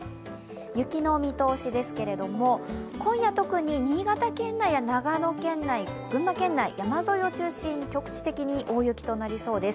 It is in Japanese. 雪の見通しですけれども、今夜特に新潟県内や長野県内、群馬県内、山沿いを中心に局地的に大雪となりそうです。